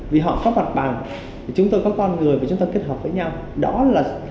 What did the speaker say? vì họ có mặt bằng chúng tôi có con người và chúng tôi kết hợp với nhau